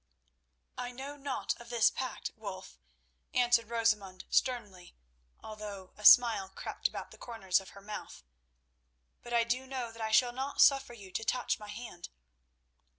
"I know naught of this pact, Wulf," answered Rosamund sternly, although a smile crept about the corners of her mouth, "but I do know that I shall not suffer you to touch my hand."